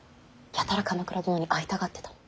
やたら鎌倉殿に会いたがってたの。